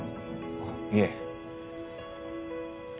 あっいえ。